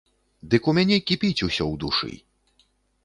Дык у мяне кіпіць усё ў душы.